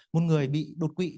một người bị đột quỵ